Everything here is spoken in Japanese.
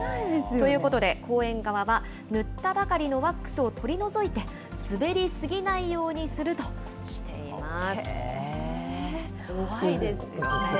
ということで公園側は、塗ったばかりのワックスを取り除いて、滑り過ぎないようにするとしています。